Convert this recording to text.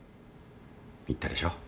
言ったでしょう。